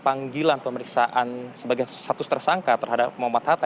panggilan pemeriksaan sebagai status tersangka terhadap muhammad hatta